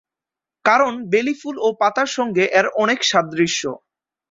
কারণ বেলি ফুল ও পাতার সঙ্গে এর অনেক সাদৃশ্য।